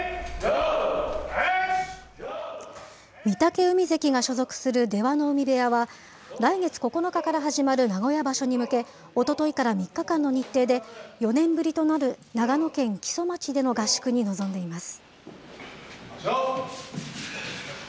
御嶽海関が所属する出羽海部屋は、来月９日から始まる名古屋場所に向け、おとといから３日間の日程で、４年ぶりとなる長野県木曽町での合宿に臨んでいます。